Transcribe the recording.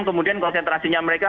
kemudian konsentrasinya mereka